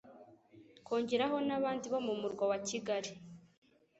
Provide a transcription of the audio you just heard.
kongeraho nabandi bo mu murwa wa Kigali